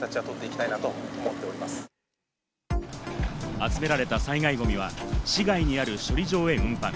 集められた災害ゴミは市外にある処理場へ運搬。